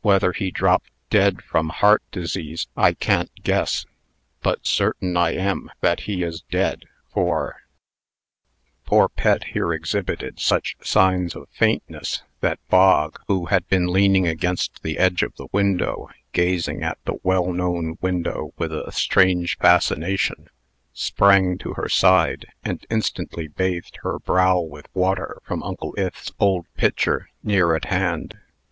Whether he dropped dead from heart disease, I can't guess; but certain I am that he is dead, for " Poor Pet here exhibited such signs of faintness, that Bog, who had been leaning against the edge of the window, gazing at the well known window with a strange fascination, sprang to her side, and instantly bathed her brow with water from Uncle Ith's old pitcher, near at hand.